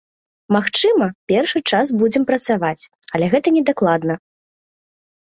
Магчыма, першы час будзем працаваць, але гэта не дакладна.